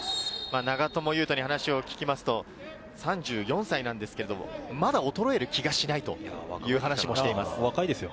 長友佑都に話を聞きますと、３４歳なんですけども、まだ衰える気がしないという話もしていま若いですよ。